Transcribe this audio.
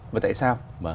và tại sao